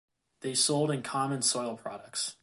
They sold in common soil products.